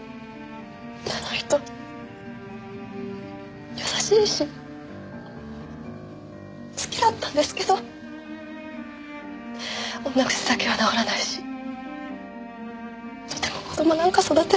あの人優しいし好きだったんですけど女癖だけは直らないしとても子供なんか育てられないって思って。